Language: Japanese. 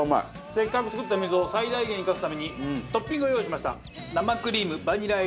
せっかく作った溝を最大限生かすためにトッピングを用意しました。